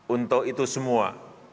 untuk itu semua